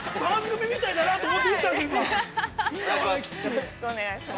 よろしくお願いします。